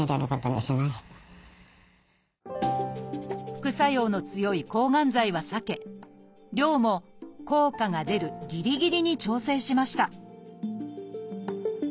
副作用の強い抗がん剤は避け量も効果が出るぎりぎりに調整しました